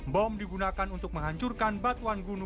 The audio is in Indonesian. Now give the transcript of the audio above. bom digunakan untuk menghancurkan batang